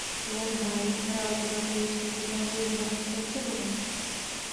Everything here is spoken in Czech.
Jan Hájek hrál divadlo již na gymnáziu v Moravské Třebové.